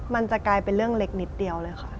มันจะกลายเป็นเรื่องเล็กนิดเดียวเลยค่ะ